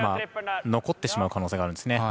残ってしまう可能性があるんですね。